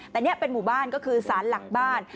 แต่นี่เป็นหมู่บ้านก็คือสารหลักบ้าน